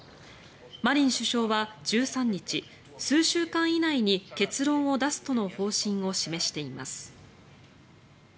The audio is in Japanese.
マリン首相は、１３日数週間以内に結論を出すとの方針を示しています。